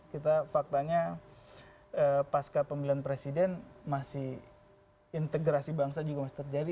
kita faktanya pasca pemilihan presiden masih integrasi bangsa juga masih terjadi